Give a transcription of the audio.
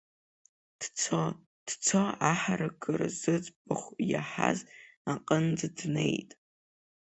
Дцо, дцо аҳаракыра зыӡбахә иаҳаз аҟынӡа днеит.